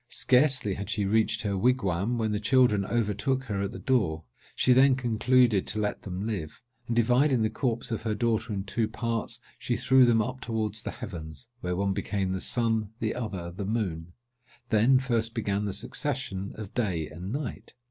Scarcely had she reached her wigwam, when the children overtook her at the door. She then concluded to let them live; and, dividing the corpse of her daughter in two parts, she threw them up towards the heavens, where one became the sun, the other the moon. Then first began the succession of day and night.